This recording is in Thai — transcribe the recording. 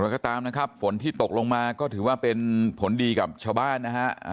แล้วก็ตามนะครับฝนที่ตกลงมาก็ถือว่าเป็นผลดีกับชาวบ้านนะฮะ